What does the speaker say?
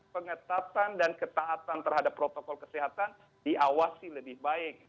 pengetatan dan ketaatan terhadap protokol kesehatan diawasi lebih baik